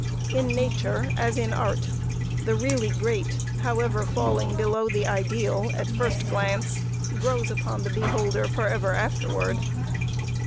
In Nature, as in Art, the really great, however falling below the ideal at first glance, grows upon the beholder forever afterward.